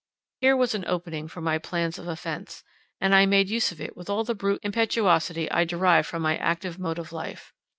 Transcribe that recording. Here was an opening for my plans of offence, and I made use of it with all the brute impetuosity I derived from my active mode of life.